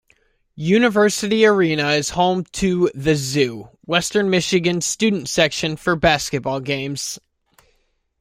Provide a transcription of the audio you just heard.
University Arena is home to "The Zoo", Western Michigan's student section for basketball games.